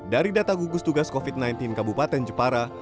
dari data gugus tugas covid sembilan belas kabupaten jepara